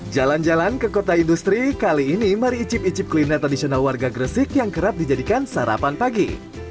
jalan jalan ke kota industri kali ini mari icip icip kuliner tradisional warga gresik yang kerap dijadikan sarapan pagi